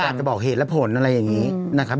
อาจจะบอกเหตุและผลอะไรอย่างนี้นะครับ